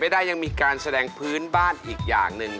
ได้ยังมีการแสดงพื้นบ้านอีกอย่างหนึ่ง